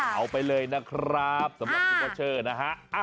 เอาไปเลยนะครับสำหรับพี่วอเชอร์นะฮะ